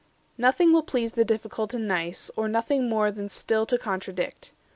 Nothing will please the difficult and nice, Or nothing more than still to contradict.